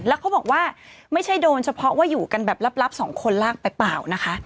แล้วเขาบอกว่าไม่ใช่โดนเฉพาะว่าอยู่กันแบบลับสองคนลากไปเปล่านะคะ